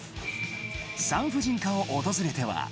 産婦人科を訪れては。